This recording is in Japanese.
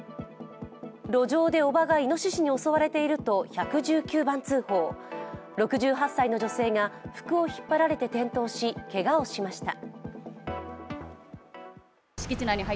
路上でおばがいのししに襲われていると１１９番通報、６８歳の女性が服を引っ張られて転倒し、けがをしました。